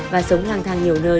và sống lang thang nhiều nơi